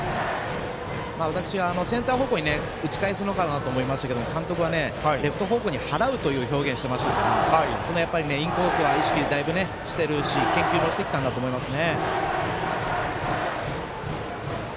センター方向に打ち返すのかなと思いましたけど監督はレフト方向に払うという表現してますからインコースは意識だいぶ、しているし研究もしてきたんだと思います。